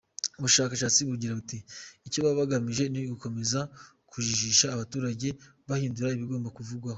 Ubushashatsi bugira buti " Icyo baba bagamije ni ugukomeza kujijisha abaturage bahindura ibigomba kuvugwaho.